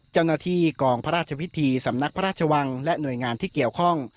เจ้าหน้าที่กองพระราชพิธีสำนักพระราชวังและหน่วยงานที่เกี่ยวข้อง